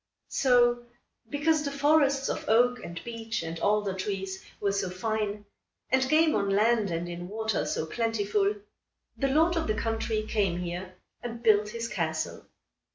So, because the forests of oak, and beech, and alder trees were so fine, and game on land and in water so plentiful, the lord of the country came here and built his castle.